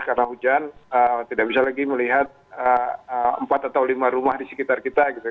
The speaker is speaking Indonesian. karena hujan tidak bisa lagi melihat empat atau lima rumah di sekitar kita gitu ya